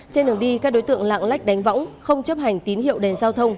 trên đường đi các đối tượng lạng lách đánh võng không chấp hành tín hiệu đèn giao thông